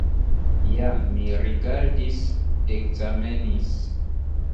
Ja mi rigardis, ekzamenis!